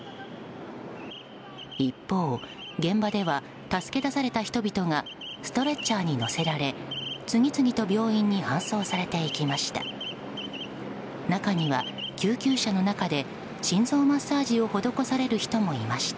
一方、現場では助け出された人々がストレッチャーに乗せられ次々と病院に搬送されていきました。